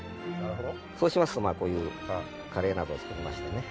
そうしますとまあこういうカレーなどを作りましてね。